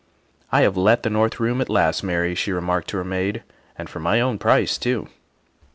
" I have let the north room at last, Mary," she re marked to her maid, '' and for my own price too.